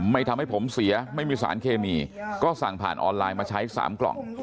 ทำให้ผมเสียไม่มีสารเคมีก็สั่งผ่านออนไลน์มาใช้๓กล่อง